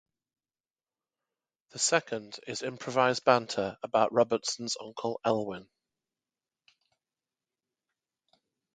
The second is improvised banter about Robertson's Uncle Elwyn.